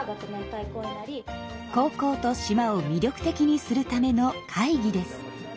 高校と島を魅力的にするための会議です。